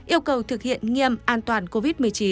yêu cầu thực hiện nghiêm an toàn covid một mươi chín